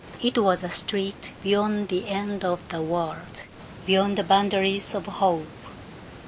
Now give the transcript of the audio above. It was a street beyond the end of the world, beyond the boundaries of hope.